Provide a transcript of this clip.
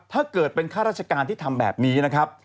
ถ้าเกิดเป็นข้าราชการที่ทำแบบนี้นะครับ